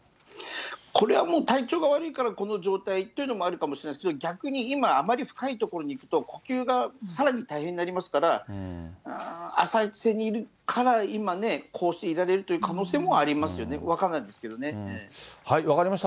これはもう、体調が悪いからこの状態っていうのもあるかもしれないですけれども、逆に今、あまり深い所に行くと、呼吸がさらに大変になりますから、浅瀬にいるから今ね、こうしていられるという可能性もありますよね、分かりました。